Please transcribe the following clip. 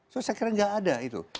saya kira gak ada itu